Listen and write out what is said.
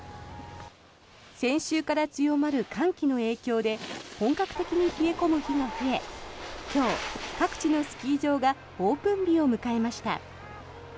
先週から強まる寒気の影響で本格的に冷え込む日が増え今日、各地のスキー場がオープン日を迎えました。